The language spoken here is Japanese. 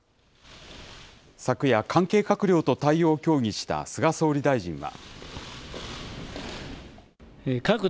昨夜、関係閣僚と対応を協議した菅総理大臣は。